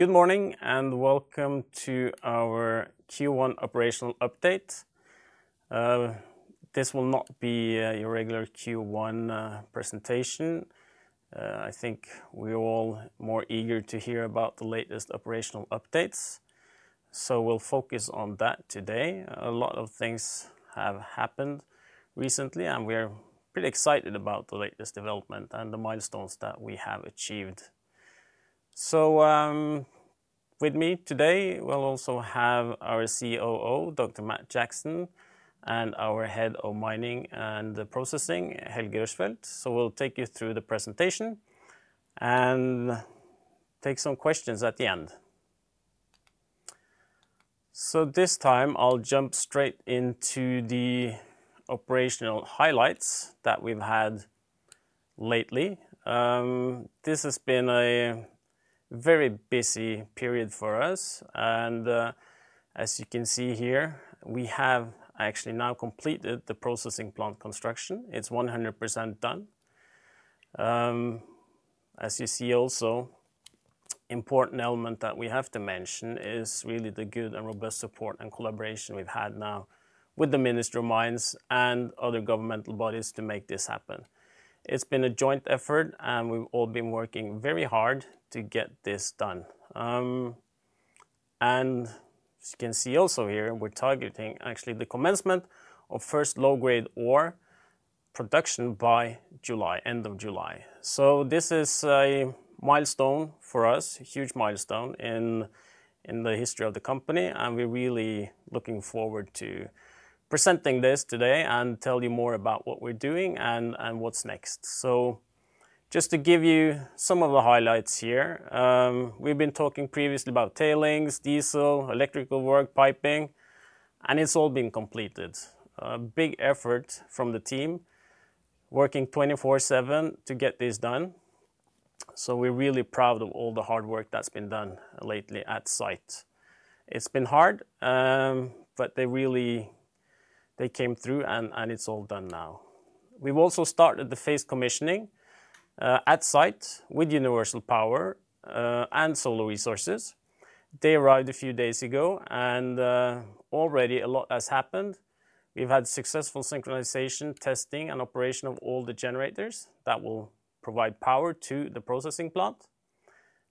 Good morning and welcome to our Q1 operational update. This will not be your regular Q1 presentation. I think we're all more eager to hear about the latest operational updates, so we'll focus on that today. A lot of things have happened recently, and we are pretty excited about the latest development and the milestones that we have achieved. So, with me today, we'll also have our COO, Dr. Matt Jackson, and our Head of Mining and Processing, Helge Rushfeldt. So we'll take you through the presentation and take some questions at the end. So this time I'll jump straight into the operational highlights that we've had lately. This has been a very busy period for us, and, as you can see here, we have actually now completed the processing plant construction. It's 100% done. As you see, also an important element that we have to mention is really the good and robust support and collaboration we've had now with the Ministry of Mines and other governmental bodies to make this happen. It's been a joint effort, and we've all been working very hard to get this done. As you can see also here, we're targeting actually the commencement of first low-grade ore production by July, end of July. So this is a milestone for us, a huge milestone in the history of the company, and we're really looking forward to presenting this today and tell you more about what we're doing and what's next. So just to give you some of the highlights here, we've been talking previously about tailings, diesel, electrical work, piping, and it's all been completed. Big effort from the team working 24/7 to get this done. We're really proud of all the hard work that's been done lately at site. It's been hard, but they really came through, and it's all done now. We've also started the phased commissioning at site with Universal Power and Solar Resources. They arrived a few days ago, and already a lot has happened. We've had successful synchronization, testing, and operation of all the generators that will provide power to the processing plant.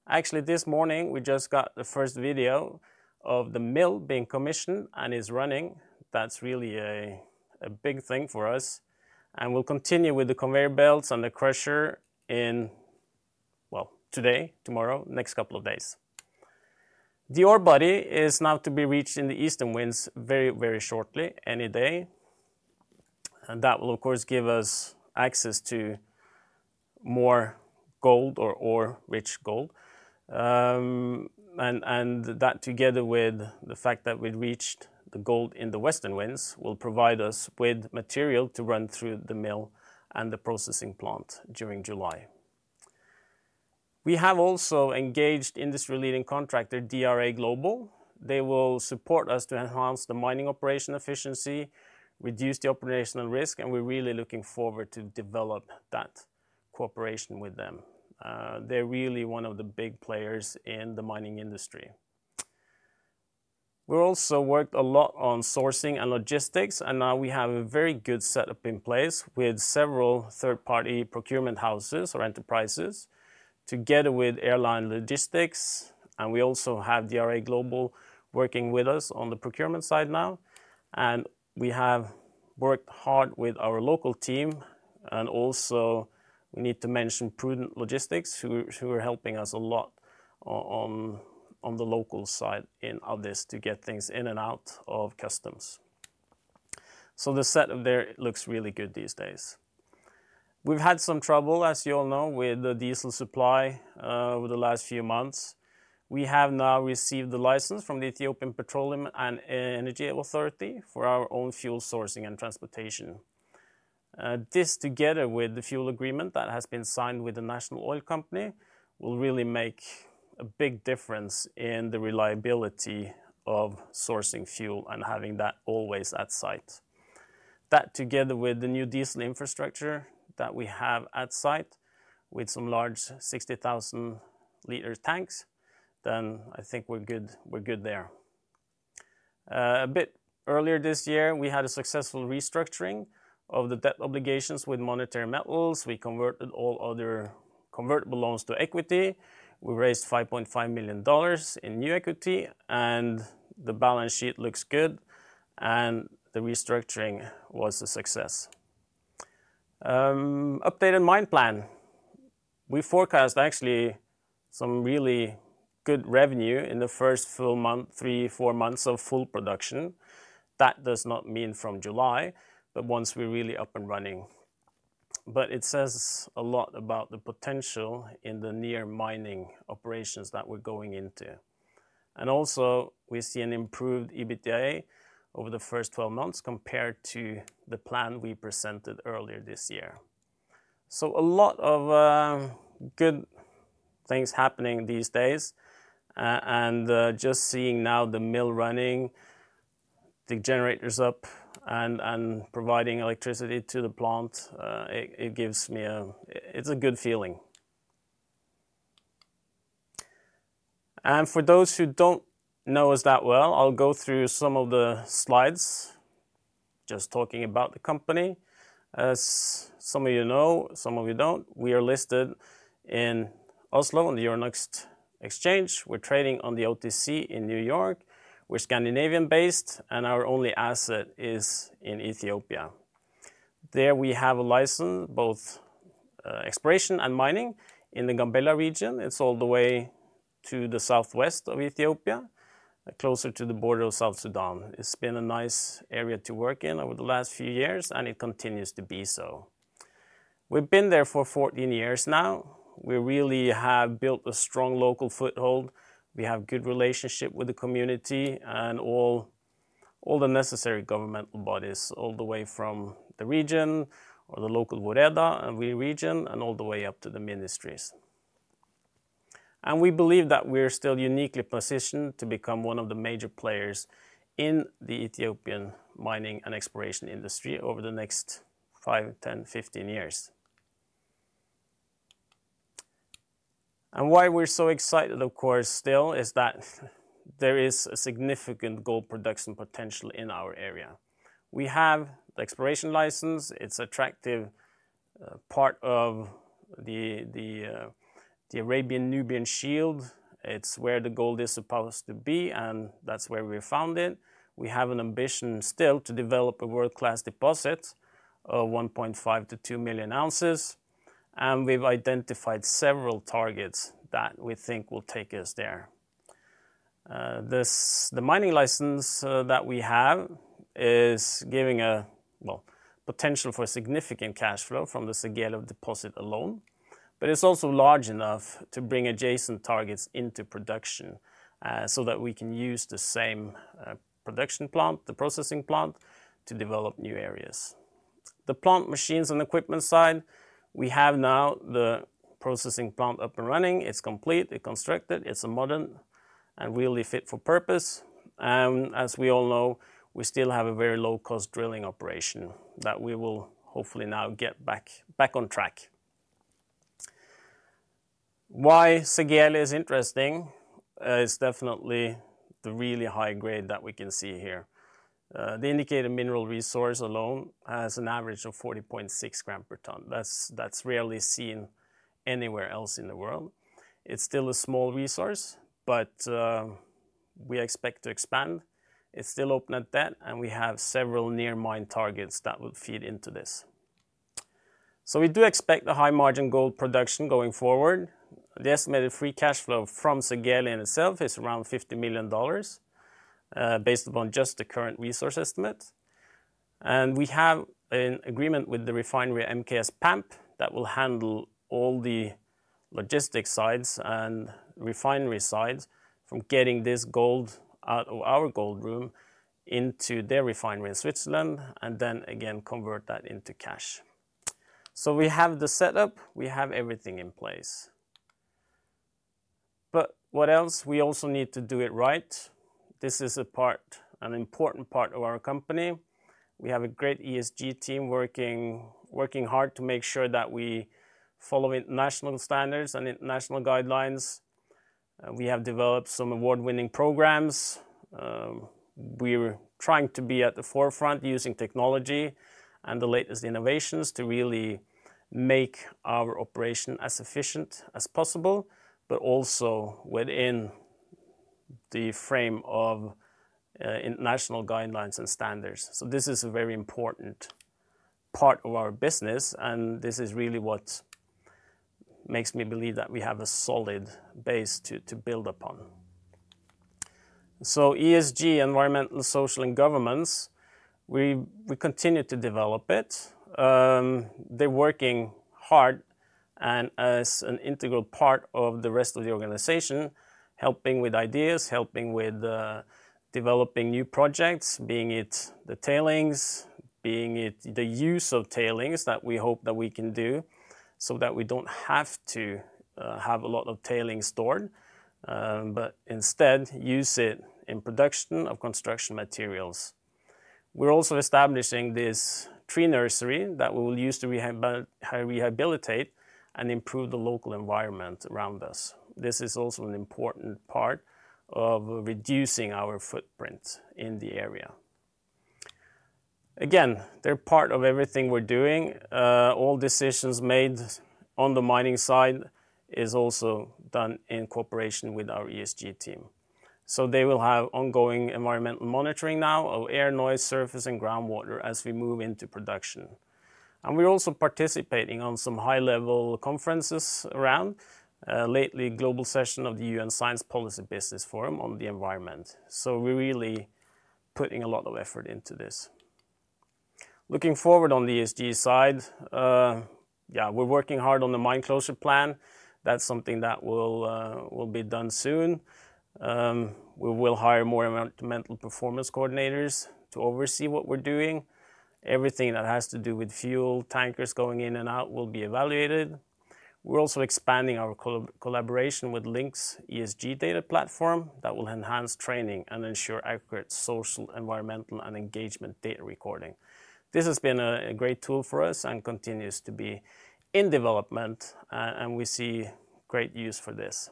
Actually, this morning we just got the first video of the mill being commissioned and is running. That's really a big thing for us, and we'll continue with the conveyor belts and the crusher in, well, today, tomorrow, next couple of days. The ore body is now to be reached in the eastern decline very, very shortly, any day, and that will of course give us access to more gold or rich gold. and, and that together with the fact that we reached the gold in the western veins will provide us with material to run through the mill and the processing plant during July. We have also engaged industry-leading contractor DRA Global. They will support us to enhance the mining operation efficiency, reduce the operational risk, and we're really looking forward to develop that cooperation with them. They're really one of the big players in the mining industry. We've also worked a lot on sourcing and logistics, and now we have a very good setup in place with several third-party procurement houses or enterprises together with Airland Logistics, and we also have DRA Global working with us on the procurement side now. We have worked hard with our local team, and also we need to mention Prudent Logistics who are helping us a lot on the local side in this to get things in and out of customs. So the setup there looks really good these days. We've had some trouble, as you all know, with the diesel supply, over the last few months. We have now received the license from the Ethiopian Petroleum and Energy Authority for our own fuel sourcing and transportation. This together with the fuel agreement that has been signed with the National Oil Company will really make a big difference in the reliability of sourcing fuel and having that always at site. That together with the new diesel infrastructure that we have at site with some large 60,000 L tanks, then I think we're good, we're good there. A bit earlier this year, we had a successful restructuring of the debt obligations with Monetary Metals. We converted all other convertible loans to equity. We raised $5.5 million in new equity, and the balance sheet looks good, and the restructuring was a success. Updated mine plan. We forecast actually some really good revenue in the first full month, 3-4 months of full production. That does not mean from July, but once we're really up and running. But it says a lot about the potential in the near mining operations that we're going into. And also we see an improved EBITDA over the first 12 months compared to the plan we presented earlier this year. So a lot of good things happening these days, and just seeing now the mill running, the generators up, and providing electricity to the plant, it gives me a good feeling. For those who don't know us that well, I'll go through some of the slides just talking about the company. As some of you know, some of you don't, we are listed in Oslo on the Euronext Exchange. We're trading on the OTC in New York. We're Scandinavian-based, and our only asset is in Ethiopia. There we have a license both exploration and mining in the Gambela Region. It's all the way to the southwest of Ethiopia, closer to the border of South Sudan. It's been a nice area to work in over the last few years, and it continues to be so. We've been there for 14 years now. We really have built a strong local foothold. We have a good relationship with the community and all the necessary governmental bodies all the way from the region or the local Woreda region and all the way up to the ministries. We believe that we're still uniquely positioned to become one of the major players in the Ethiopian mining and exploration industry over the next five, 10, 15 years. Why we're so excited, of course, still is that there is a significant gold production potential in our area. We have the exploration license. It's an attractive part of the Arabian-Nubian Shield. It's where the gold is supposed to be, and that's where we found it. We have an ambition still to develop a world-class deposit of 1.5 million-2 million ounces, and we've identified several targets that we think will take us there. This, the mining license that we have is giving a well, potential for significant cash flow from the Segele deposit alone, but it's also large enough to bring adjacent targets into production, so that we can use the same production plant, the processing plant to develop new areas. The plant machines and equipment side, we have now the processing plant up and running. It's complete, it's constructed, it's modern, and really fit for purpose. And as we all know, we still have a very low-cost drilling operation that we will hopefully now get back on track. Why Segele is interesting is definitely the really high grade that we can see here. The Indicated Mineral Resource alone has an average of 40.6 g per ton. That's rarely seen anywhere else in the world. It's still a small resource, but we expect to expand. It's still open at that, and we have several near mine targets that will feed into this. So we do expect a high-margin gold production going forward. The estimated free cash flow from Segele itself is around $50 million, based upon just the current resource estimate. And we have an agreement with the refinery MKS PAMP that will handle all the logistics sides and refinery sides from getting this gold out of our gold room into their refinery in Switzerland and then again convert that into cash. So we have the setup, we have everything in place. But what else? We also need to do it right. This is a part, an important part of our company. We have a great ESG team working, working hard to make sure that we follow international standards and international guidelines. We have developed some award-winning programs. We're trying to be at the forefront using technology and the latest innovations to really make our operation as efficient as possible, but also within the frame of international guidelines and standards. So this is a very important part of our business, and this is really what makes me believe that we have a solid base to build upon. So ESG, Environmental, Social, and Governance, we continue to develop it. They're working hard and as an integral part of the rest of the organization, helping with ideas, helping with developing new projects, being it the tailings, being it the use of tailings that we hope that we can do so that we don't have to have a lot of tailings stored, but instead use it in production of construction materials. We're also establishing this tree nursery that we will use to rehabilitate and improve the local environment around us. This is also an important part of reducing our footprint in the area. Again, they're part of everything we're doing. All decisions made on the mining side are also done in cooperation with our ESG team. So they will have ongoing environmental monitoring now of air, noise, surface, and groundwater as we move into production. And we're also participating on some high-level conferences around, lately global session of the UN Science Policy Business Forum on the environment. So we're really putting a lot of effort into this. Looking forward on the ESG side, yeah, we're working hard on the mine closure plan. That's something that will be done soon. We will hire more environmental performance coordinators to oversee what we're doing. Everything that has to do with fuel tankers going in and out will be evaluated. We're also expanding our collaboration with Link ESG data platform that will enhance training and ensure accurate social, environmental, and engagement data recording. This has been a great tool for us and continues to be in development, and we see great use for this.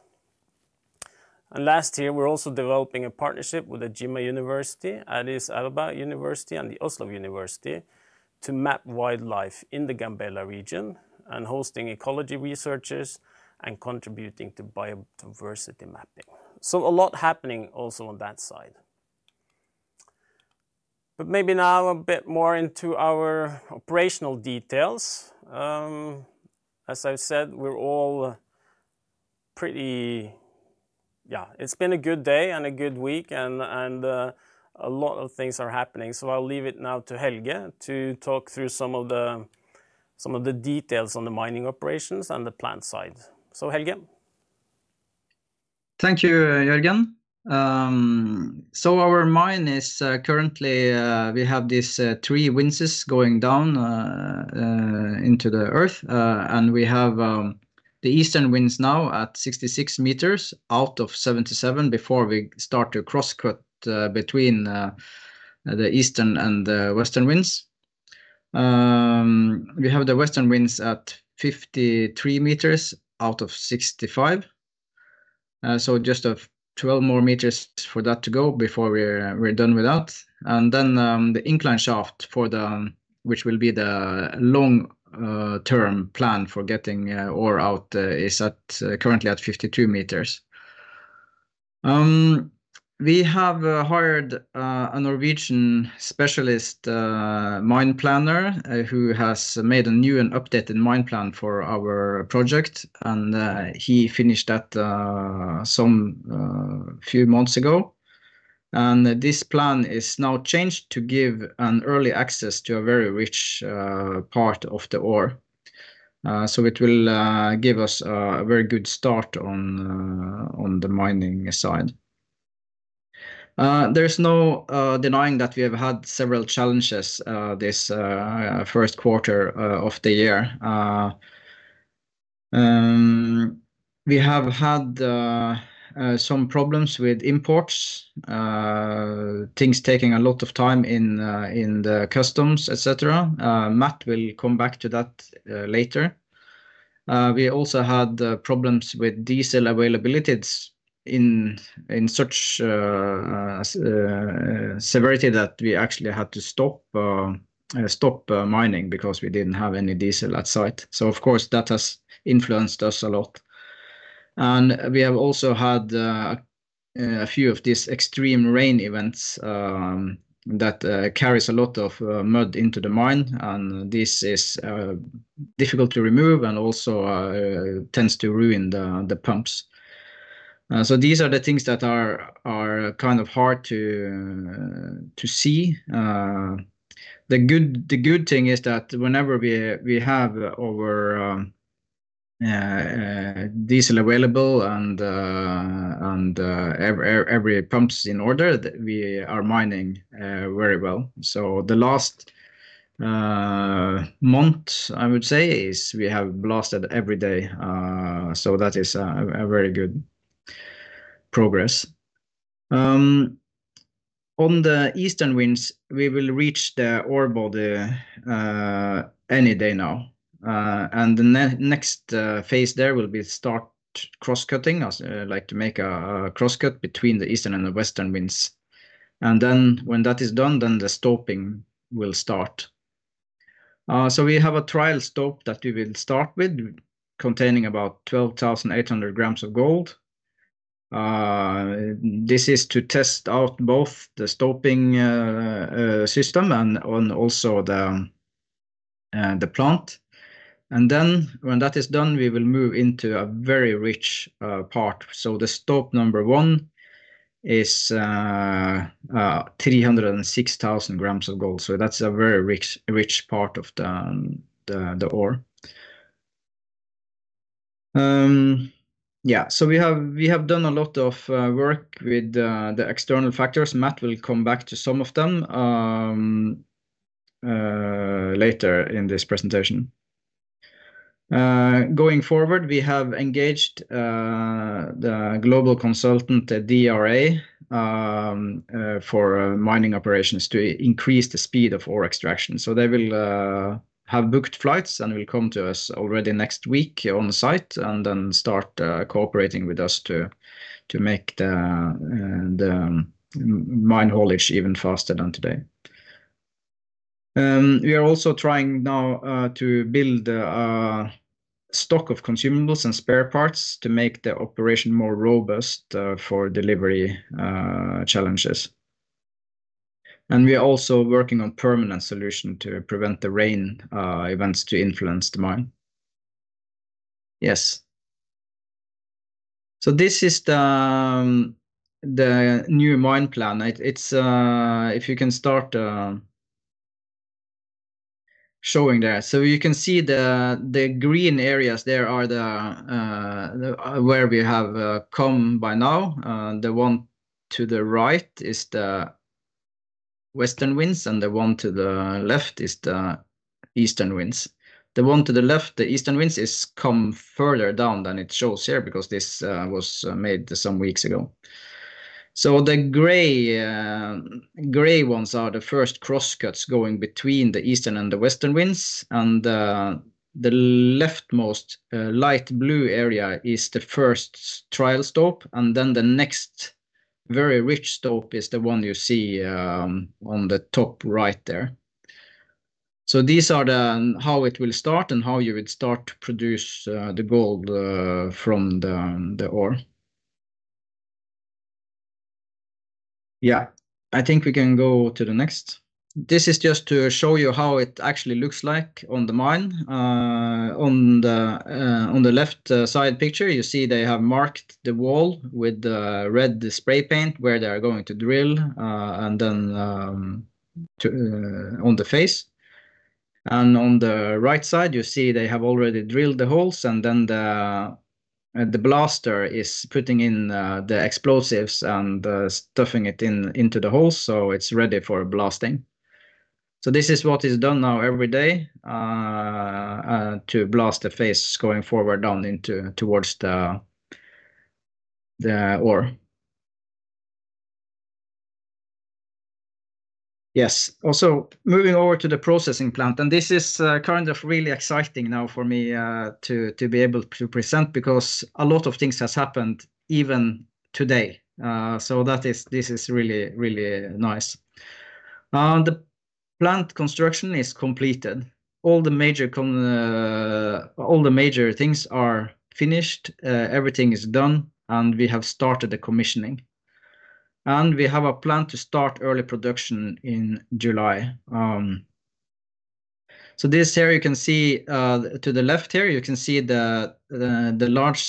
Last year, we're also developing a partnership with Jimma University, Addis Ababa University, and the University of Oslo to map wildlife in the Gambela region and hosting ecology researchers and contributing to biodiversity mapping. A lot happening also on that side. Maybe now a bit more into our operational details. As I've said, we're all pretty, yeah, it's been a good day and a good week, and a lot of things are happening. So I'll leave it now to Helge to talk through some of the details on the mining operations and the plant side. So, Helge. Thank you, Jørgen. Our mine is currently we have these three winzes going down into the earth, and we have the eastern winze now at 66 m out of 77 before we start to cross-cut between the eastern and the western winze. We have the western winze at 53 m out of 65. Just 12 more meters for that to go before we're done with that. Then the incline shaft for the which will be the long-term plan for getting ore out is at currently at 52 m. We have hired a Norwegian specialist mine planner who has made a new and updated mine plan for our project, and he finished that a few months ago. This plan is now changed to give an early access to a very rich part of the ore. So it will give us a very good start on the mining side. There's no denying that we have had several challenges this first quarter of the year. We have had some problems with imports, things taking a lot of time in the customs, et cetera. Matt will come back to that later. We also had problems with diesel availability in such severity that we actually had to stop mining because we didn't have any diesel at site. So, of course, that has influenced us a lot. And we have also had a few of these extreme rain events that carries a lot of mud into the mine, and this is difficult to remove and also tends to ruin the pumps. So these are the things that are kind of hard to see. The good thing is that whenever we have our diesel available and every pump's in order, we are mining very well. So the last month, I would say, is we have blasted every day. So that is a very good progress. On the eastern winze, we will reach the ore body any day now. And the next phase there will be start crosscutting. I'd like to make a crosscut between the eastern and the western winze. And then when that is done, then the stoping will start. So we have a trial stope that we will start with containing about 12,800 g of gold. This is to test out both the stoping system and also the plant. Then when that is done, we will move into a very rich part. So the stop number one is 306,000 g of gold. So that's a very rich part of the ore. Yeah, so we have done a lot of work with the external factors. Matt will come back to some of them later in this presentation. Going forward, we have engaged the global consultant, DRA, for mining operations to increase the speed of ore extraction. So they will have booked flights and will come to us already next week on site and then start cooperating with us to make the mine haulage even faster than today. We are also trying now to build a stock of consumables and spare parts to make the operation more robust for delivery challenges. We are also working on a permanent solution to prevent the rain events to influence the mine. Yes. So this is the, the new mine plan. It's, if you can start showing there. So you can see the, the green areas there are the, where we have, come by now. The one to the right is the western winze, and the one to the left is the eastern winze. The one to the left, the eastern winze has come further down than it shows here because this, was made some weeks ago. So the gray, gray ones are the first crosscuts going between the eastern and the western winze, and, the leftmost, light blue area is the first trial stope, and then the next very rich stope is the one you see, on the top right there. So these are the how it will start and how you would start to produce the gold from the ore. Yeah, I think we can go to the next. This is just to show you how it actually looks like on the mine. On the left side picture, you see they have marked the wall with the red spray paint where they are going to drill, and then on the face. And on the right side, you see they have already drilled the holes, and then the blaster is putting in the explosives and stuffing it into the holes so it's ready for blasting. So this is what is done now every day to blast the face going forward down into towards the ore. Yes. Also moving over to the processing plant, and this is kind of really exciting now for me to be able to present because a lot of things have happened even today. So that is, this is really, really nice. The plant construction is completed. All the major things are finished. Everything is done, and we have started the commissioning, and we have a plan to start early production in July. So this here you can see, to the left here you can see the large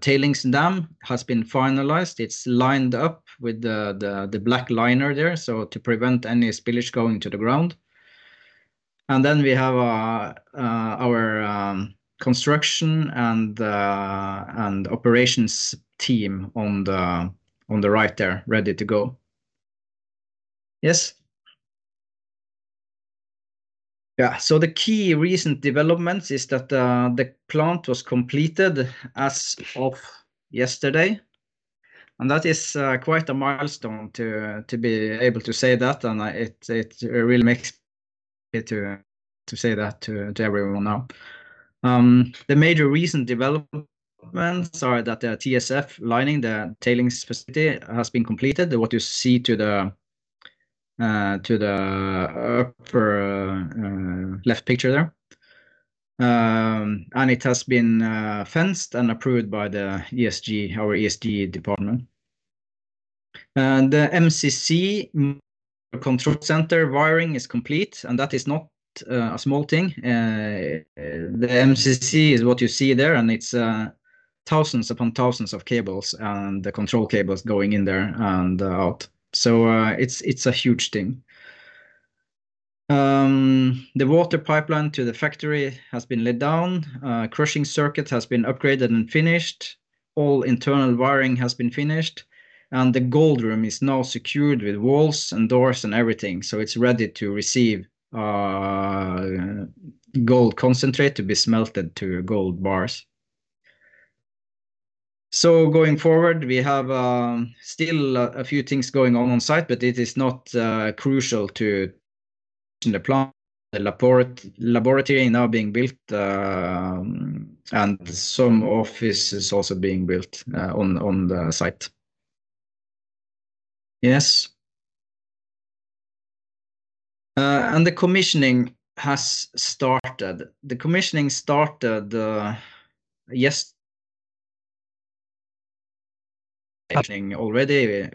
tailings dam has been finalized. It's lined up with the black liner there so to prevent any spillage going to the ground. And then we have our construction and operations team on the right there ready to go. Yes. Yeah. So the key recent developments is that the plant was completed as of yesterday, and that is quite a milestone to be able to say that, and it really makes it to say that to everyone now. The major recent developments are that the TSF lining, the tailings facility has been completed. What you see to the upper left picture there, and it has been fenced and approved by the ESG, our ESG department. And the MCC control center wiring is complete, and that is not a small thing. The MCC is what you see there, and it's thousands upon thousands of cables and the control cables going in there and out. So it's a huge thing. The water pipeline to the factory has been laid down. Crushing circuit has been upgraded and finished. All internal wiring has been finished, and the gold room is now secured with walls and doors and everything. So it's ready to receive gold concentrate to be smelted to gold bars. So going forward, we have still a few things going on on site, but it is not crucial to the plant. The laboratory is now being built, and some office is also being built on the site. Yes, and the commissioning has started. The commissioning started yesterday already,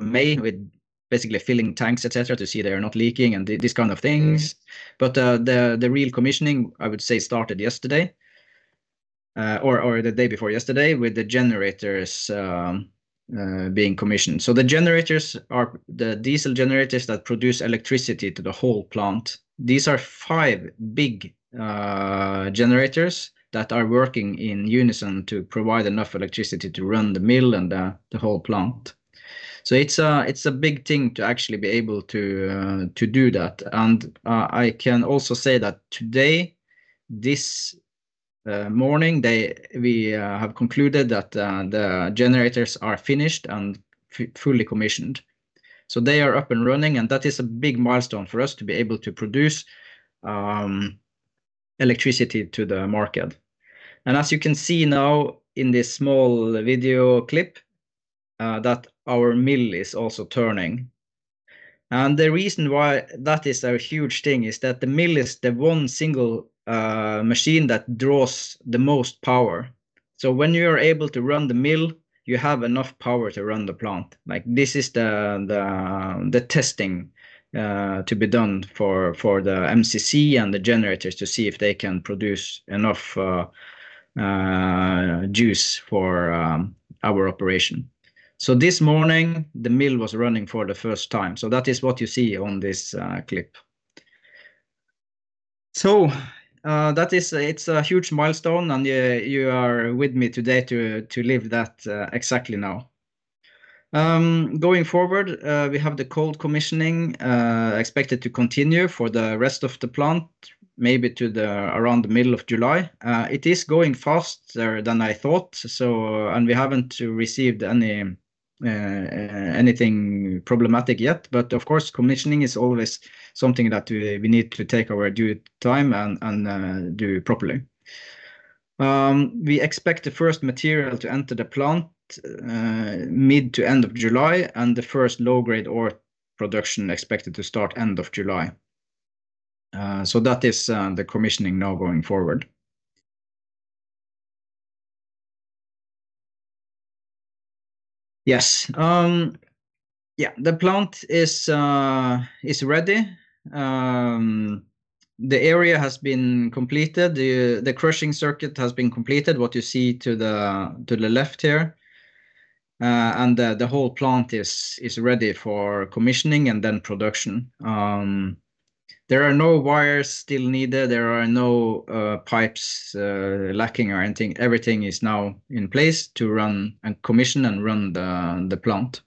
May, with basically filling tanks, et cetera, to see they are not leaking and these kind of things. But the real commissioning, I would say, started yesterday, or the day before yesterday with the generators being commissioned. So the generators are the diesel generators that produce electricity to the whole plant. These are five big generators that are working in unison to provide enough electricity to run the mill and the whole plant. So it's a big thing to actually be able to do that. And I can also say that today this morning we have concluded that the generators are finished and fully commissioned. So they are up and running, and that is a big milestone for us to be able to produce electricity to the market. And as you can see now in this small video clip that our mill is also turning. And the reason why that is a huge thing is that the mill is the one single machine that draws the most power. So when you are able to run the mill, you have enough power to run the plant. Like this is the testing to be done for the MCC and the generators to see if they can produce enough juice for our operation. So this morning, the mill was running for the first time. So that is what you see on this clip. So that is, it's a huge milestone, and you are with me today to live that exactly now. Going forward, we have the cold commissioning expected to continue for the rest of the plant, maybe to around the middle of July. It is going faster than I thought. And we haven't received anything problematic yet, but of course, commissioning is always something that we need to take our due time and do properly. We expect the first material to enter the plant, mid to end of July and the first low grade ore production expected to start end of July. So that is, the commissioning now going forward. Yes. Yeah, the plant is ready. The area has been completed. The crushing circuit has been completed. What you see to the left here, and the whole plant is ready for commissioning and then production. There are no wires still needed. There are no pipes lacking or anything. Everything is now in place to run and commission and run the plant.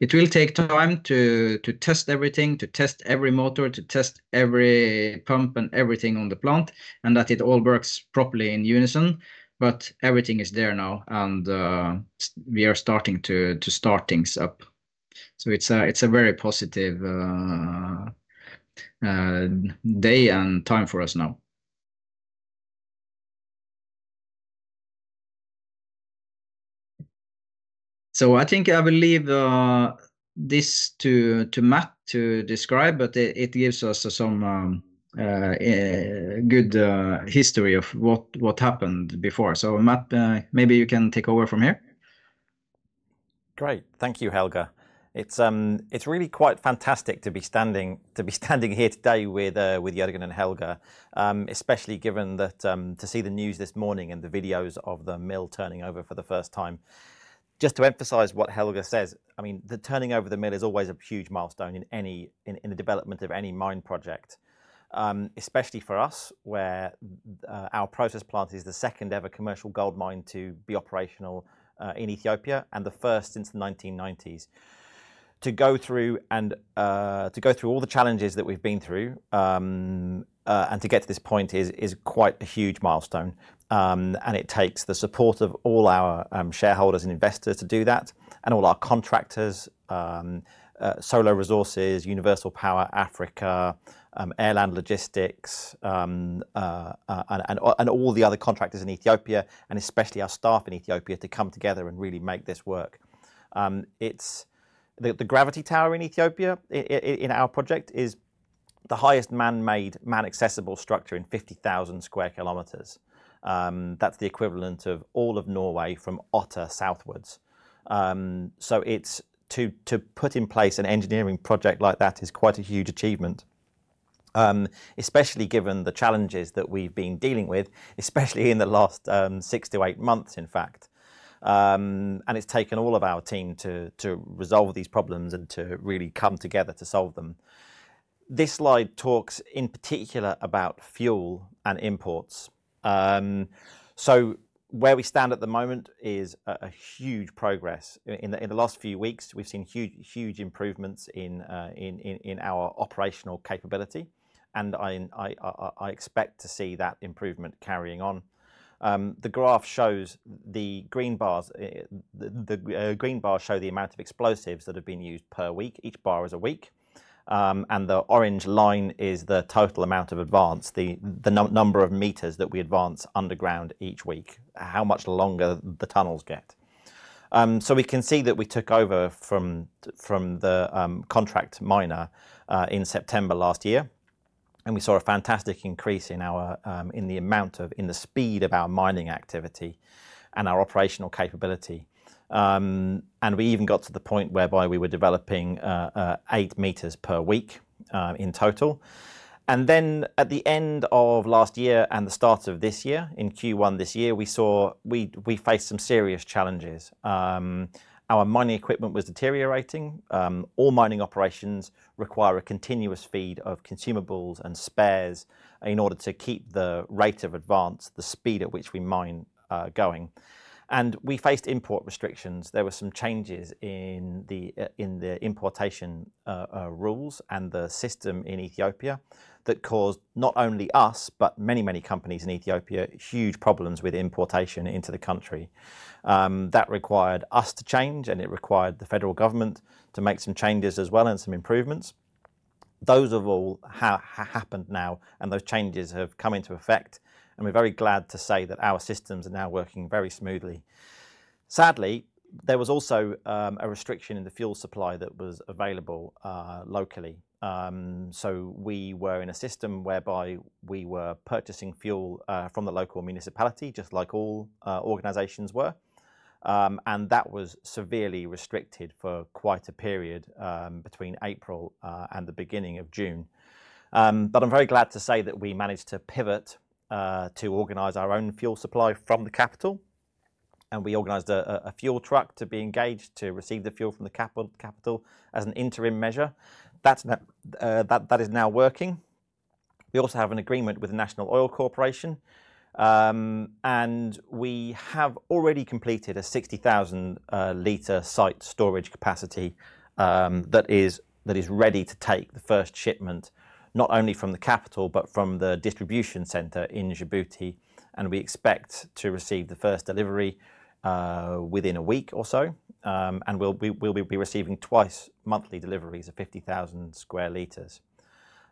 It will take time to test everything, to test every motor, to test every pump and everything on the plant and that it all works properly in unison. But everything is there now and we are starting to start things up. So it's a very positive day and time for us now. So I think I will leave this to Matt to describe, but it gives us some good history of what happened before. So Matt, maybe you can take over from here. Great. Thank you, Helge. It's really quite fantastic to be standing here today with Jørgen and Helge, especially given to see the news this morning and the videos of the mill turning over for the first time. Just to emphasize what Helge says, I mean, the turning over the mill is always a huge milestone in any the development of any mine project, especially for us where our process plant is the second ever commercial gold mine to be operational in Ethiopia and the first since the 1990s. To go through all the challenges that we've been through, and to get to this point is quite a huge milestone. It takes the support of all our shareholders and investors to do that and all our contractors, Solar Resources, Universal Power Africa, Airland Logistics, and all the other contractors in Ethiopia and especially our staff in Ethiopia to come together and really make this work. It's the gravity tower in Ethiopia in our project is the highest manmade, man accessible structure in 50,000 sq km. That's the equivalent of all of Norway from Uttar southwards. So it's to put in place an engineering project like that is quite a huge achievement, especially given the challenges that we've been dealing with, especially in the last 6-8 months, in fact. It's taken all of our team to resolve these problems and to really come together to solve them. This slide talks in particular about fuel and imports. So where we stand at the moment is a huge progress. In the last few weeks, we've seen huge improvements in our operational capability, and I expect to see that improvement carrying on. The graph shows the green bars. The green bars show the amount of explosives that have been used per week. Each bar is a week. The orange line is the total amount of advance, the number of meters that we advance underground each week, how much longer the tunnels get. So we can see that we took over from the contract miner in September last year, and we saw a fantastic increase in the speed of our mining activity and our operational capability. And we even got to the point whereby we were developing 8 m per week in total. And then at the end of last year and the start of this year in Q1 this year, we faced some serious challenges. Our mining equipment was deteriorating. All mining operations require a continuous feed of consumables and spares in order to keep the rate of advance, the speed at which we mine, going. And we faced import restrictions. There were some changes in the importation rules and the system in Ethiopia that caused not only us, but many, many companies in Ethiopia, huge problems with importation into the country. That required us to change, and it required the federal government to make some changes as well and some improvements. Those have all happened now, and those changes have come into effect, and we're very glad to say that our systems are now working very smoothly. Sadly, there was also a restriction in the fuel supply that was available locally. So we were in a system whereby we were purchasing fuel from the local municipality, just like all organizations were. And that was severely restricted for quite a period, between April and the beginning of June. But I'm very glad to say that we managed to pivot to organize our own fuel supply from the capital, and we organized a fuel truck to be engaged to receive the fuel from the capital as an interim measure. That's now working. We also have an agreement with the National Oil Corporation, and we have already completed a 60,000 L site storage capacity that is ready to take the first shipment, not only from the capital, but from the distribution center in Djibouti. And we expect to receive the first delivery within a week or so, and we'll be receiving twice monthly deliveries of 50,000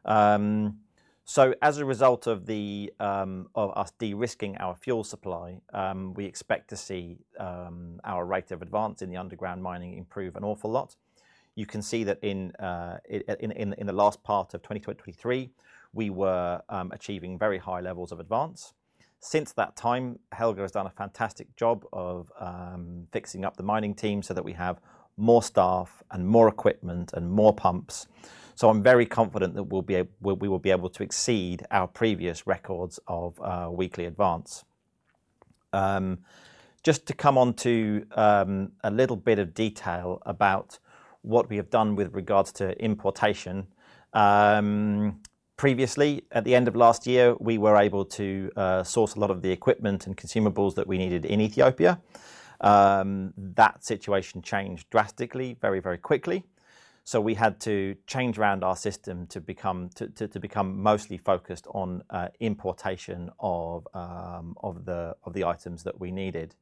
L. So as a result of us de-risking our fuel supply, we expect to see our rate of advance in the underground mining improve an awful lot. You can see that in the last part of 2023, we were achieving very high levels of advance. Since that time, Helge has done a fantastic job of fixing up the mining team so that we have more staff and more equipment and more pumps. So I'm very confident that we'll be able, we will be able to exceed our previous records of weekly advance. Just to come on to a little bit of detail about what we have done with regards to importation. Previously, at the end of last year, we were able to source a lot of the equipment and consumables that we needed in Ethiopia. That situation changed drastically, very, very quickly. So we had to change around our system to become mostly focused on importation of the items that we needed.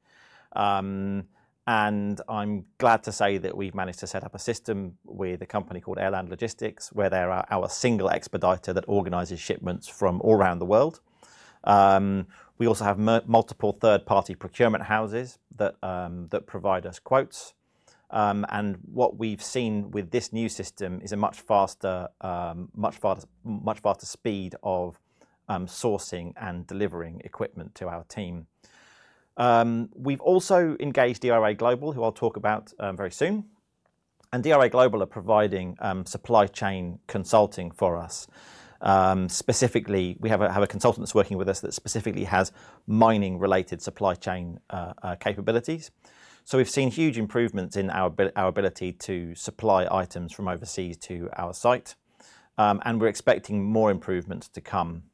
I'm glad to say that we've managed to set up a system with a company called Airland Logistics, where they're our single expediter that organizes shipments from all around the world. We also have multiple third-party procurement houses that provide us quotes. What we've seen with this new system is a much faster, much faster, much faster speed of sourcing and delivering equipment to our team. We've also engaged DRA Global, who I'll talk about very soon. DRA Global are providing supply chain consulting for us. Specifically, we have a consultant that's working with us that specifically has mining-related supply chain capabilities. So we've seen huge improvements in our ability to supply items from overseas to our site. We're expecting more improvements to come.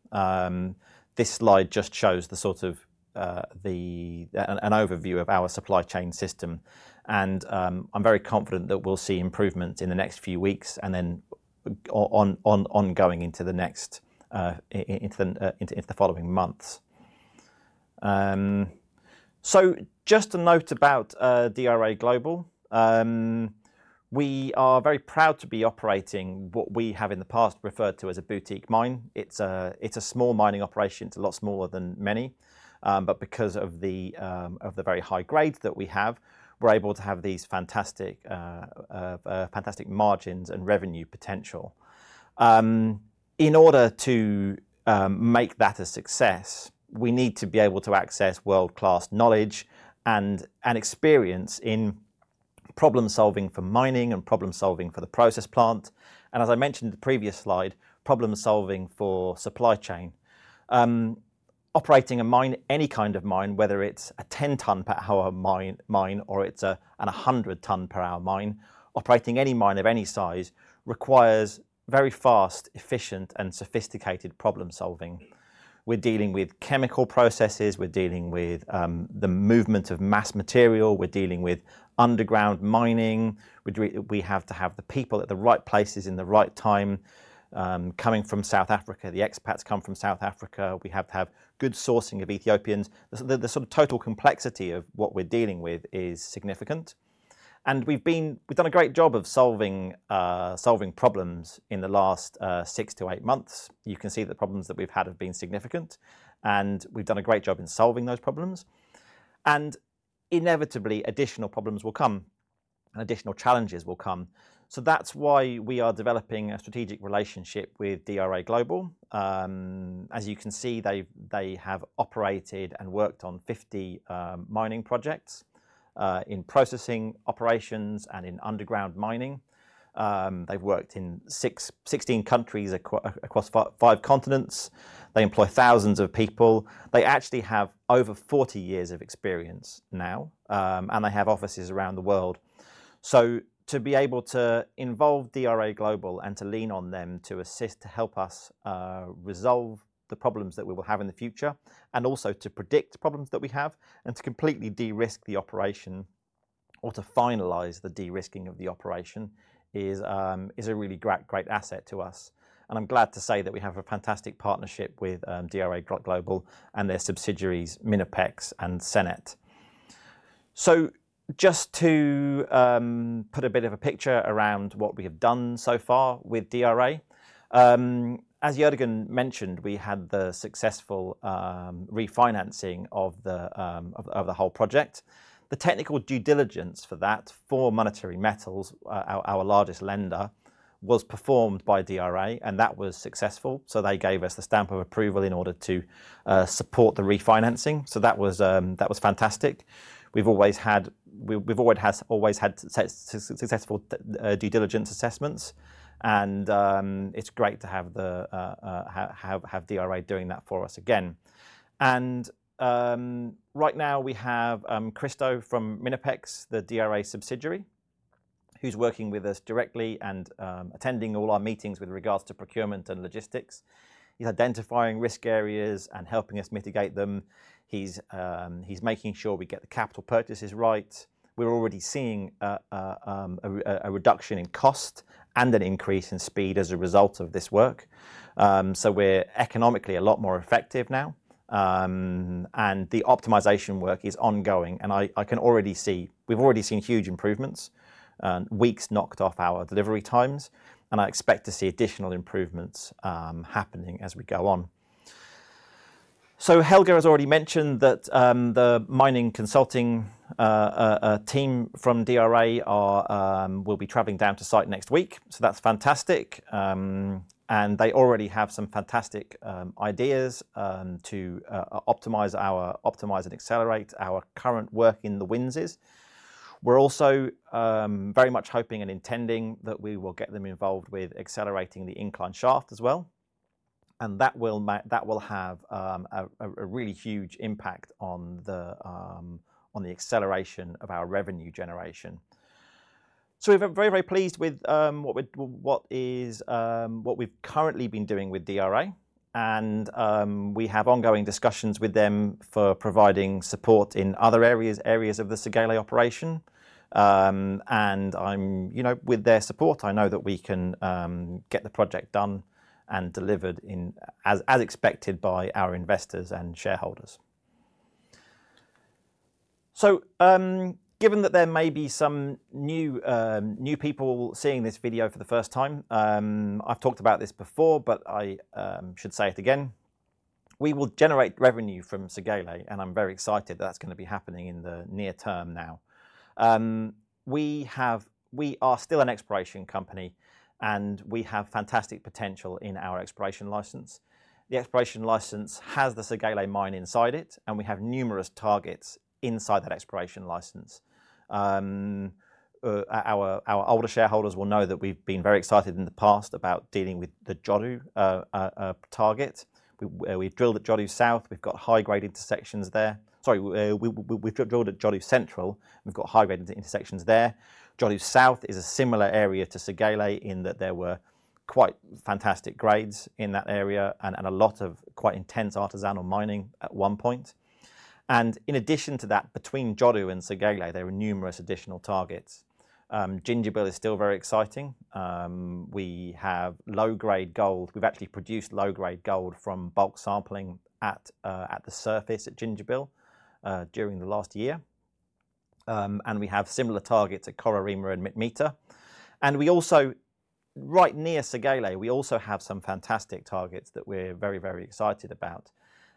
This slide just shows the sort of an overview of our supply chain system. I'm very confident that we'll see improvements in the next few weeks and then ongoing into the following months. Just a note about DRA Global. We are very proud to be operating what we have in the past referred to as a boutique mine. It's a small mining operation. It's a lot smaller than many. But because of the very high grades that we have, we're able to have these fantastic margins and revenue potential. In order to make that a success, we need to be able to access world-class knowledge and experience in problem-solving for mining and problem-solving for the process plant. As I mentioned in the previous slide, problem-solving for supply chain. Operating a mine, any kind of mine, whether it's a 10-ton per hour mine or it's a 100-ton per hour mine, operating any mine of any size requires very fast, efficient, and sophisticated problem-solving. We're dealing with chemical processes. We're dealing with the movement of mass material. We're dealing with underground mining. We have to have the people at the right places at the right time. Coming from South Africa, the expats come from South Africa. We have to have good sourcing of Ethiopians. The sort of total complexity of what we're dealing with is significant. We've done a great job of solving problems in the last 6-8 months. You can see that the problems that we've had have been significant, and we've done a great job in solving those problems. Inevitably, additional problems will come and additional challenges will come. So that's why we are developing a strategic relationship with DRA Global. As you can see, they, they have operated and worked on 50 mining projects, in processing operations and in underground mining. They've worked in 16 countries across five continents. They employ thousands of people. They actually have over 40 years of experience now, and they have offices around the world. So to be able to involve DRA Global and to lean on them to assist, to help us, resolve the problems that we will have in the future, and also to predict problems that we have and to completely de-risk the operation or to finalize the de-risking of the operation is, is a really great, great asset to us. And I'm glad to say that we have a fantastic partnership with DRA Global and their subsidiaries, Minopex and Senet. So just to put a bit of a picture around what we have done so far with DRA, as Jørgen mentioned, we had the successful refinancing of the whole project. The technical due diligence for that for Monetary Metals, our largest lender, was performed by DRA, and that was successful. So they gave us the stamp of approval in order to support the refinancing. So that was fantastic. We've always had successful due diligence assessments. And it's great to have DRA doing that for us again. And right now we have Christo from Minopex, the DRA subsidiary, who's working with us directly and attending all our meetings with regards to procurement and logistics. He's identifying risk areas and helping us mitigate them. He's making sure we get the capital purchases right. We're already seeing a reduction in cost and an increase in speed as a result of this work. We're economically a lot more effective now. The optimization work is ongoing. I can already see we've already seen huge improvements. Weeks knocked off our delivery times, and I expect to see additional improvements happening as we go on. Helge has already mentioned that the mining consulting team from DRA will be traveling down to site next week. That's fantastic. They already have some fantastic ideas to optimize and accelerate our current work in the winds. We're also very much hoping and intending that we will get them involved with accelerating the incline shaft as well. That will have a really huge impact on the acceleration of our revenue generation. So we're very, very pleased with what we've currently been doing with DRA. We have ongoing discussions with them for providing support in other areas of the Segele operation. I'm, you know, with their support, I know that we can get the project done and delivered as expected by our investors and shareholders. So, given that there may be some new people seeing this video for the first time, I've talked about this before, but I should say it again. We will generate revenue from Segele, and I'm very excited that that's going to be happening in the near term now. We are still an exploration company, and we have fantastic potential in our exploration license. The exploration license has the Segele mine inside it, and we have numerous targets inside that exploration license. Our older shareholders will know that we've been very excited in the past about dealing with the Jodu target. We drilled at Jodu South. We've got high-grade intersections there. Sorry, we've drilled at Jodu Central. We've got high-grade intersections there. Jodu South is a similar area to Segele in that there were quite fantastic grades in that area and a lot of quite intense artisanal mining at one point. And in addition to that, between Jodu and Segele, there are numerous additional targets. Gingebil is still very exciting. We have low-grade gold. We've actually produced low-grade gold from bulk sampling at the surface at Gingebil during the last year. And we have similar targets at Kororima and Mitmita. And we also, right near Segele, we also have some fantastic targets that we're very, very excited about.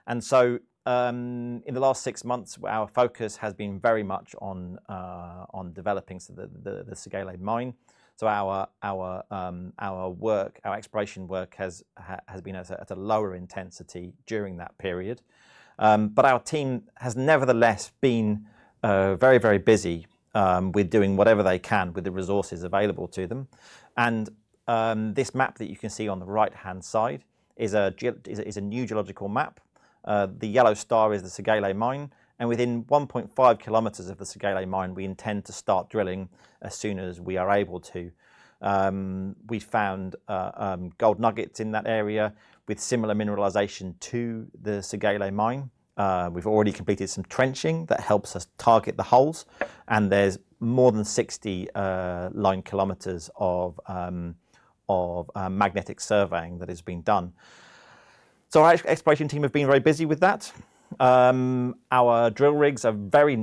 And so, in the last six months, our focus has been very much on developing the Segele mine. So our exploration work has been at a lower intensity during that period. But our team has nevertheless been very, very busy with doing whatever they can with the resources available to them. And this map that you can see on the right-hand side is a new geological map. The yellow star is the Segele mine. And within 1.5 km of the Segele mine, we intend to start drilling as soon as we are able to. We found gold nuggets in that area with similar mineralization to the Segele mine. We've already completed some trenching that helps us target the holes. There's more than 60 line kilometers of magnetic surveying that has been done. Our exploration team has been very busy with that. Our drill rigs are very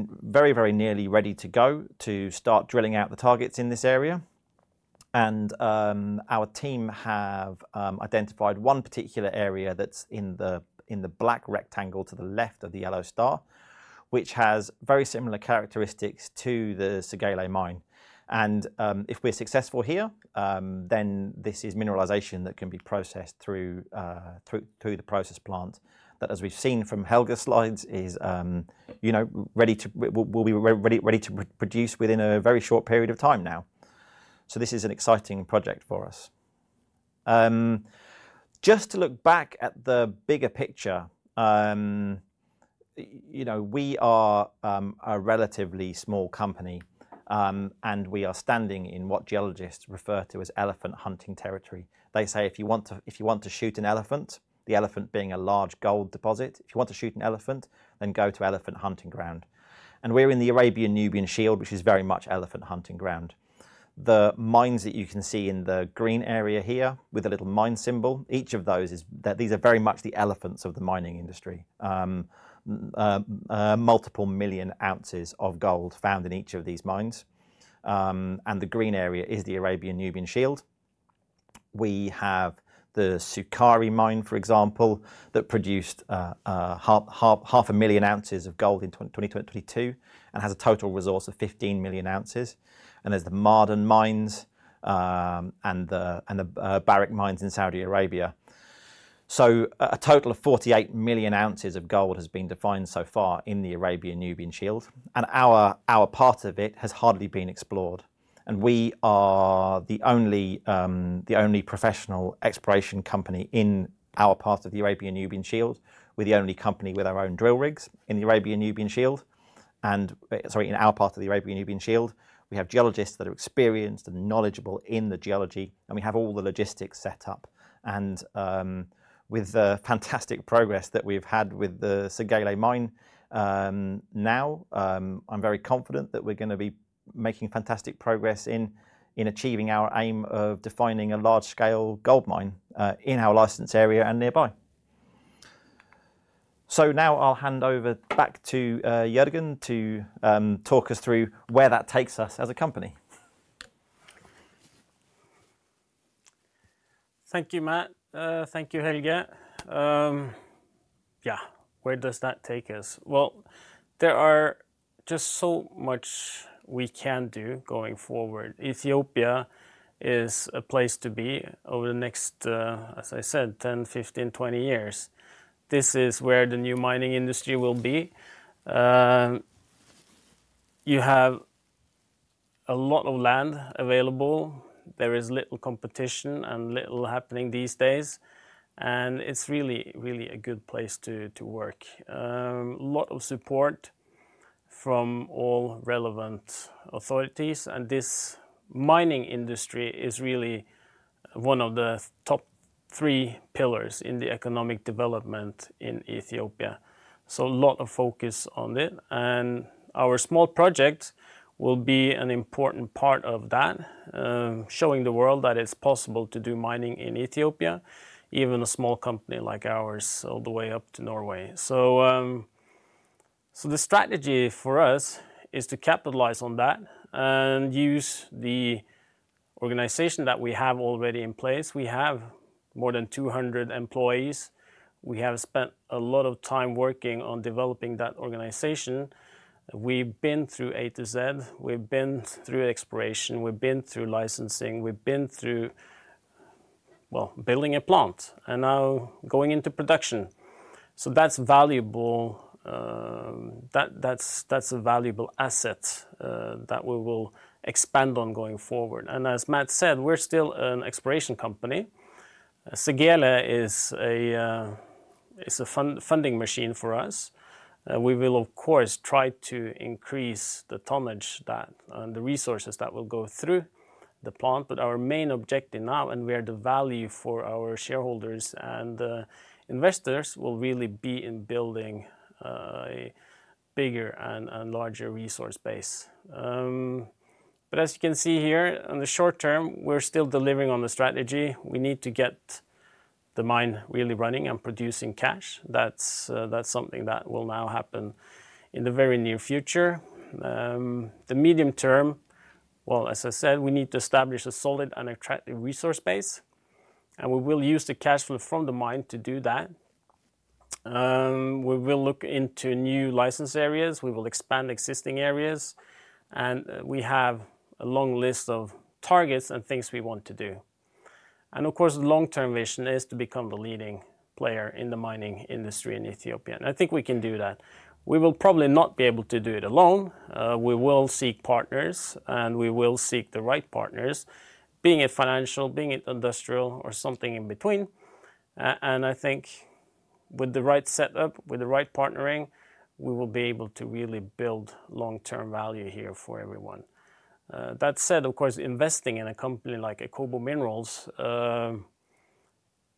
nearly ready to go to start drilling out the targets in this area. Our team have identified one particular area that's in the black rectangle to the left of the yellow star, which has very similar characteristics to the Segele mine. If we're successful here, then this is mineralization that can be processed through the process plant that, as we've seen from Helge's slides, is, you know, ready to, will be ready, ready to produce within a very short period of time now. So this is an exciting project for us. Just to look back at the bigger picture, you know, we are a relatively small company, and we are standing in what geologists refer to as elephant hunting territory. They say if you want to, if you want to shoot an elephant, the elephant being a large gold deposit, if you want to shoot an elephant, then go to elephant hunting ground. And we're in the Arabian-Nubian Shield, which is very much elephant hunting ground. The mines that you can see in the green area here with a little mine symbol, each of those is that these are very much the elephants of the mining industry. Multiple million ounces of gold found in each of these mines. The green area is the Arabian-Nubian Shield. We have the Sukari mine, for example, that produced half a million ounces of gold in 2022 and has a total resource of 15 million ounces. And there's the Ma'aden mines and the Barrick mines in Saudi Arabia. So a total of 48 million ounces of gold has been defined so far in the Arabian-Nubian Shield. And our part of it has hardly been explored. And we are the only professional exploration company in our part of the Arabian-Nubian Shield. We're the only company with our own drill rigs in the Arabian-Nubian Shield. And, sorry, in our part of the Arabian-Nubian Shield, we have geologists that are experienced and knowledgeable in the geology, and we have all the logistics set up. With the fantastic progress that we've had with the Segele mine, now, I'm very confident that we're going to be making fantastic progress in achieving our aim of defining a large-scale gold mine in our licensed area and nearby. Now I'll hand over back to Jørgen to talk us through where that takes us as a company. Thank you, Matt. Thank you, Helge. Yeah, where does that take us? Well, there are just so much we can do going forward. Ethiopia is a place to be over the next, as I said, 10, 15, 20 years. This is where the new mining industry will be. You have a lot of land available. There is little competition and little happening these days. And it's really, really a good place to work. A lot of support from all relevant authorities. This mining industry is really one of the top three pillars in the economic development in Ethiopia. A lot of focus on it. Our small project will be an important part of that, showing the world that it's possible to do mining in Ethiopia, even a small company like ours all the way up to Norway. So the strategy for us is to capitalize on that and use the organization that we have already in place. We have more than 200 employees. We have spent a lot of time working on developing that organization. We've been through A to Z. We've been through exploration. We've been through licensing. We've been through, well, building a plant and now going into production. So that's valuable. That's a valuable asset that we will expand on going forward. As Matt said, we're still an exploration company. Segele is a funding machine for us. We will, of course, try to increase the tonnage and the resources that will go through the plant. But our main objective now, and the value for our shareholders and investors will really be in building a bigger and larger resource base. But as you can see here, in the short term, we're still delivering on the strategy. We need to get the mine really running and producing cash. That's something that will now happen in the very near future. In the medium term, well, as I said, we need to establish a solid and attractive resource base, and we will use the cash flow from the mine to do that. We will look into new license areas. We will expand existing areas, and we have a long list of targets and things we want to do. And of course, the long-term vision is to become the leading player in the mining industry in Ethiopia. And I think we can do that. We will probably not be able to do it alone. We will seek partners, and we will seek the right partners, being it financial, being it industrial, or something in between. And I think with the right setup, with the right partnering, we will be able to really build long-term value here for everyone. That said, of course, investing in a company like Akobo Minerals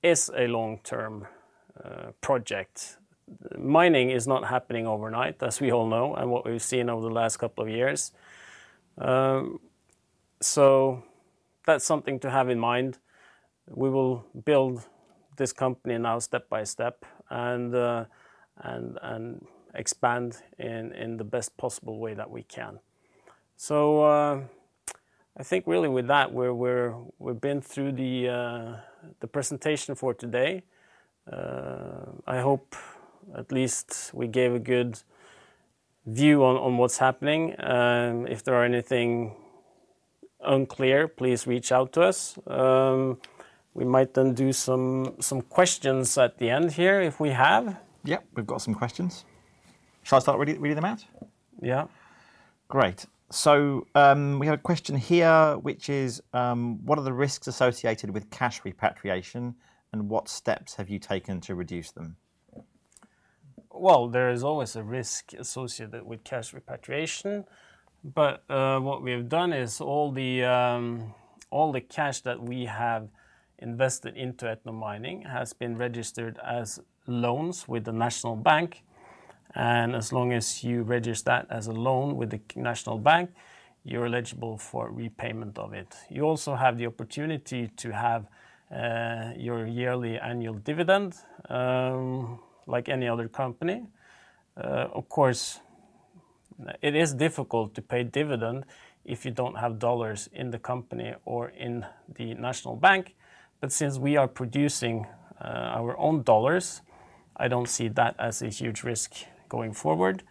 is a long-term project. Mining is not happening overnight, as we all know, and what we've seen over the last couple of years. So that's something to have in mind. We will build this company now step by step and expand in the best possible way that we can. So, I think really with that, we're, we've been through the presentation for today. I hope at least we gave a good view on what's happening. If there are anything unclear, please reach out to us. We might then do some questions at the end here if we have. Yep, we've got some questions. Shall I start reading them out? Yeah. Great. So, we have a question here, which is, what are the risks associated with cash repatriation and what steps have you taken to reduce them? Well, there is always a risk associated with cash repatriation, but what we have done is all the cash that we have invested into Ethiopian mining has been registered as loans with the National Bank of Ethiopia. And as long as you register that as a loan with the National Bank of Ethiopia, you're eligible for repayment of it. You also have the opportunity to have your yearly annual dividend, like any other company. Of course, it is difficult to pay dividend if you don't have dollars in the company or in the National Bank of Ethiopia. But since we are producing our own dollars, I don't see that as a huge risk going forward.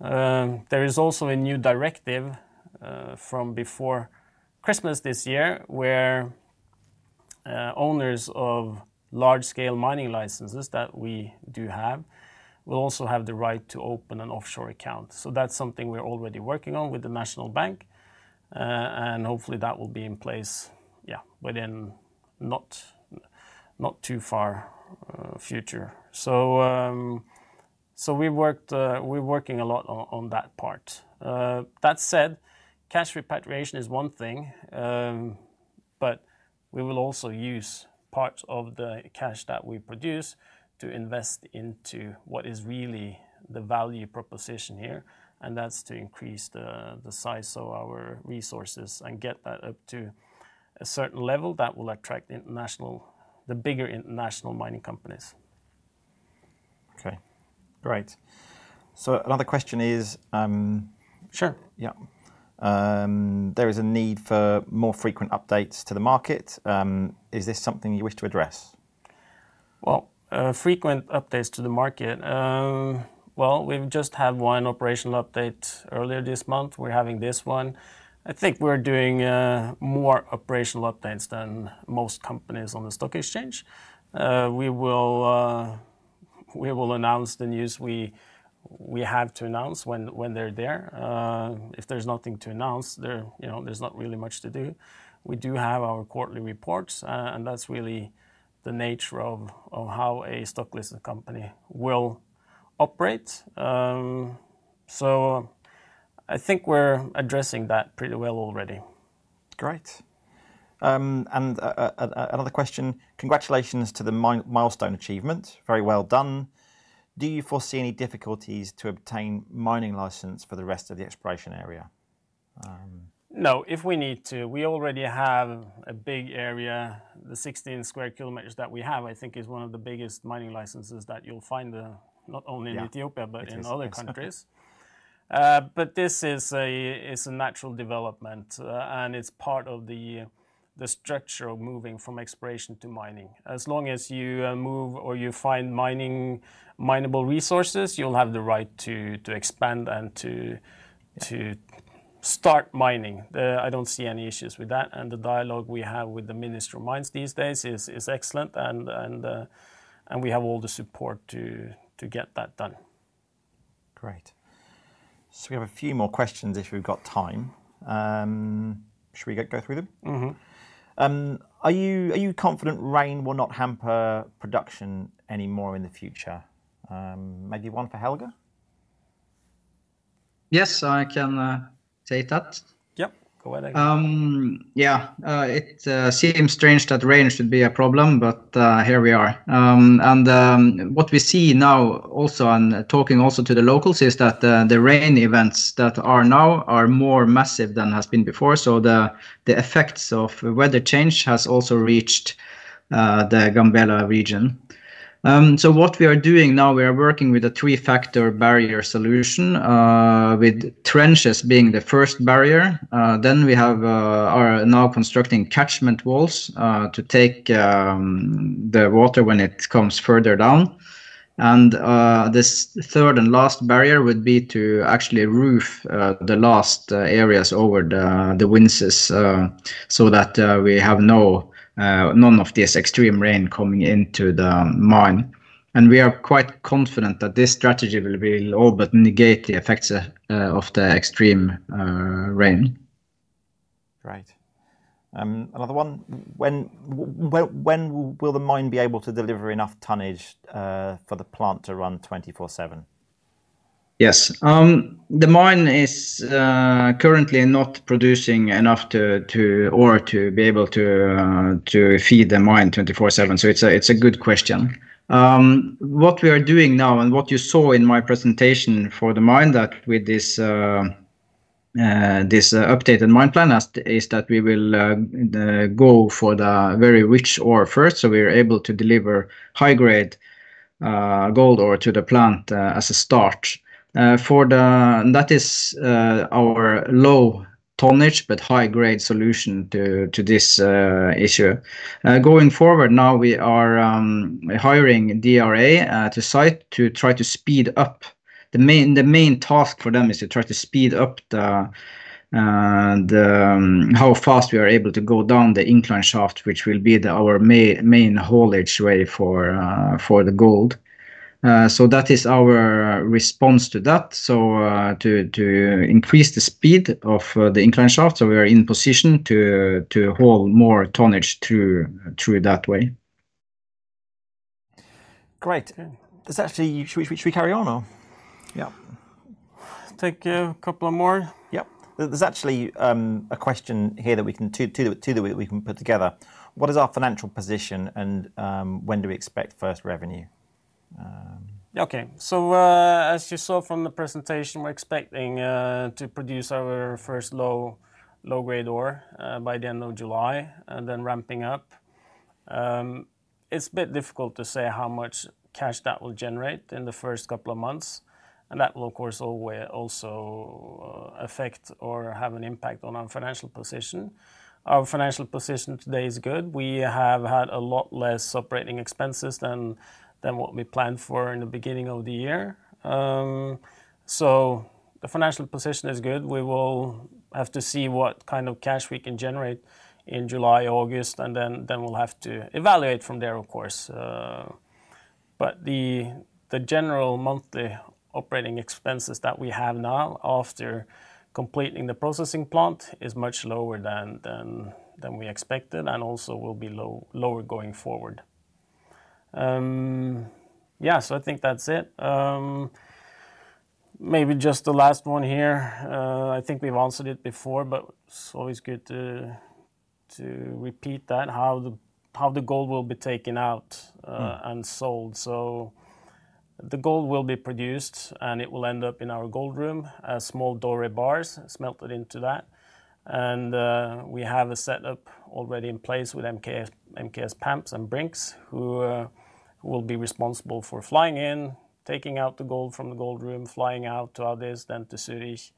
There is also a new directive from before Christmas this year where owners of large-scale mining licenses that we do have will also have the right to open an offshore account. So that's something we're already working on with the National Bank. And hopefully that will be in place, yeah, within not too far future. So, we've worked; we're working a lot on that part. That said, cash repatriation is one thing, but we will also use parts of the cash that we produce to invest into what is really the value proposition here. And that's to increase the size of our resources and get that up to a certain level that will attract the bigger international mining companies. Okay. Great. So another question is, Sure. Yeah. There is a need for more frequent updates to the market. Is this something you wish to address? Well, frequent updates to the market. Well, we've just had one operational update earlier this month. We're having this one. I think we're doing more operational updates than most companies on the stock exchange. We will announce the news we have to announce when they're there. If there's nothing to announce, there, you know, there's not really much to do. We do have our quarterly reports, and that's really the nature of how a stock listed company will operate. So I think we're addressing that pretty well already. Great. And another question. Congratulations to the milestone achievement. Very well done. Do you foresee any difficulties to obtain mining license for the rest of the exploration area? No, if we need to, we already have a big area, the 16 sq km that we have, I think is one of the biggest mining licenses that you'll find, not only in Ethiopia, but in other countries. But this is, it's a natural development, and it's part of the structure of moving from exploration to mining. As long as you move or you find mining, minable resources, you'll have the right to expand and to start mining. I don't see any issues with that. And the dialogue we have with the Ministry of Mines these days is excellent. And we have all the support to get that done. Great. So we have a few more questions if we've got time. Should we go through them? Mm-hmm. Are you confident rain will not hamper production anymore in the future? Maybe one for Helge. Yes, I can take that. Yep. Go ahead. Yeah. It seems strange that rain should be a problem, but here we are. And what we see now also, and talking also to the locals, is that the rain events that are now are more massive than has been before. So the effects of weather change has also reached the Gambela Region. So what we are doing now, we are working with a three-factor barrier solution, with trenches being the first barrier. Then we have are now constructing catchment walls to take the water when it comes further down. And this third and last barrier would be to actually roof the last areas over the winds, so that we have no none of this extreme rain coming into the mine. And we are quite confident that this strategy will be all but negate the effects of the extreme rain. Right. Another one. When, when, when will the mine be able to deliver enough tonnage for the plant to run 24/7? Yes. The mine is currently not producing enough to or to be able to feed the mine 24/7. So it's a good question. What we are doing now and what you saw in my presentation for the mine that with this updated mine plan is that we will go for the very rich ore first. So we are able to deliver high-grade gold ore to the plant as a start. That is our low tonnage but high-grade solution to this issue. Going forward now, we are hiring DRA to site to try to speed up the main. The main task for them is to try to speed up how fast we are able to go down the incline shaft, which will be our main haulage way for the gold. So that is our response to that. So, to increase the speed of the incline shaft. So we are in position to haul more tonnage through that way. Great. Does that actually, should we carry on or? Yeah. Take a couple of more. Yep. There's actually a question here that we can to the way we can put together. What is our financial position and when do we expect first revenue? Okay. So, as you saw from the presentation, we're expecting to produce our first low-grade ore by the end of July and then ramping up. It's a bit difficult to say how much cash that will generate in the first couple of months. And that will, of course, always also affect or have an impact on our financial position. Our financial position today is good. We have had a lot less operating expenses than what we planned for in the beginning of the year. So the financial position is good. We will have to see what kind of cash we can generate in July, August, and then we'll have to evaluate from there, of course. But the general monthly operating expenses that we have now after completing the processing plant is much lower than we expected and also will be low, lower going forward. Yeah, so I think that's it. Maybe just the last one here. I think we've answered it before, but it's always good to repeat that, how the gold will be taken out, and sold. So the gold will be produced and it will end up in our gold room, small doré bars, smelted into that. We have a setup already in place with MKS PAMP and Brink’s, who will be responsible for flying in, taking out the gold from the gold room, flying out to Addis Ababa, then to Zürich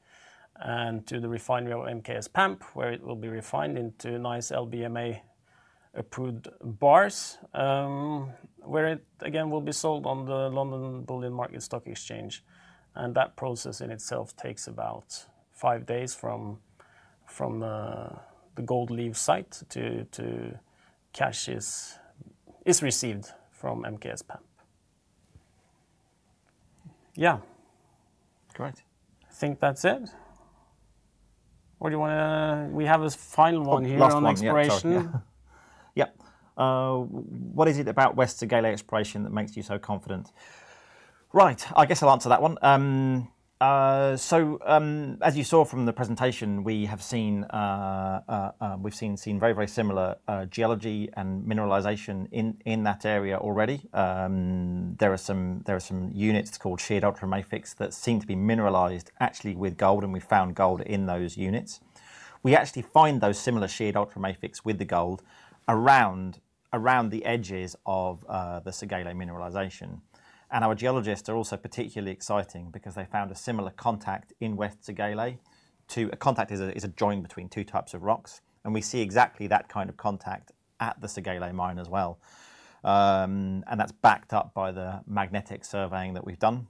and to the refinery of MKS PAMP, where it will be refined into nice LBMA approved bars, where it again will be sold on the London Bullion Market Stock Exchange. And that process in itself takes about five days from the gold leaving the site to cash being received from MKS PAMP. Yeah. Great. I think that's it. Or do you want to, we have a final one here on exploration. Yeah. What is it about Western Segele exploration that makes you so confident? Right. I guess I'll answer that one. So, as you saw from the presentation, we have seen very similar geology and mineralization in that area already. There are some units called sheared ultramafics that seem to be mineralized actually with gold, and we found gold in those units. We actually find those similar sheared ultramafics with the gold around the edges of the Segele mineralization. Our geologists are also particularly exciting because they found a similar contact in West Segele. A contact is a join between two types of rocks. We see exactly that kind of contact at the Segele mine as well. That's backed up by the magnetic surveying that we've done.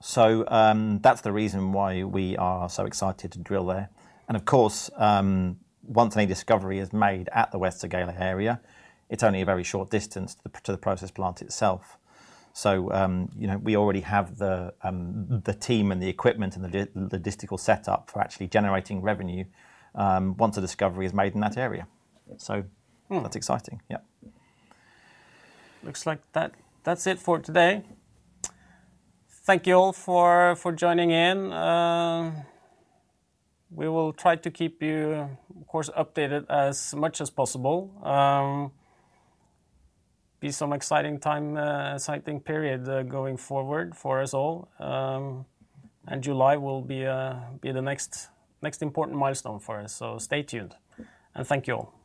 That's the reason why we are so excited to drill there. And of course, once any discovery is made at the West Segele area, it's only a very short distance to the process plant itself. So, you know, we already have the team and the equipment and the logistical setup for actually generating revenue, once a discovery is made in that area. So that's exciting. Yeah. Looks like that's it for today. Thank you all for joining in. We will try to keep you, of course, updated as much as possible. Be some exciting time, exciting period, going forward for us all. And July will be the next important milestone for us. So stay tuned and thank you all.